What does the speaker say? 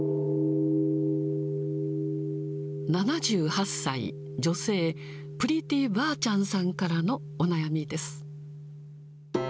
７８歳女性、プリティ婆ちゃんさんからのお悩みです。